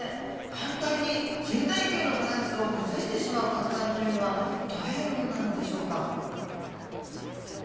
反対に生態系のバランスを崩してしまうかく乱というのはどういうものなのでしょうか？